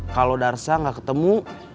kalau darza gak ketemu